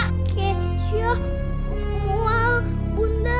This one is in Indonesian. kecoh mual bunda